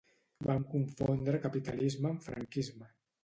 Vam confondre capitalisme amb franquisme